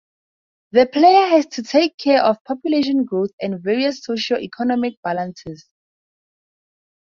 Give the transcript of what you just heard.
The player has to take care of population growth and various socio-economic balances.